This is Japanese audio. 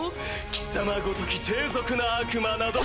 貴様ごとき低俗な悪魔など。